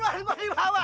maksudnya begini pak